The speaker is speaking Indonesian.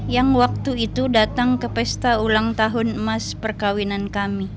yang waktu itu datang ke pesta ulang tahun emas perkawinan kami